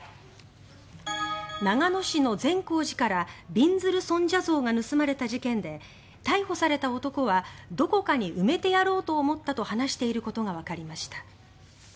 長野市の善光寺からびんずる尊者像が盗まれた事件で逮捕された男はどこかに埋めてやろうと思ったと話していることがわかりました。